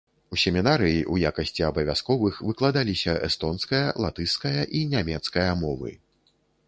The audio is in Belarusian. У семінарыі ў якасці абавязковых выкладаліся эстонская, латышская і нямецкая мовы.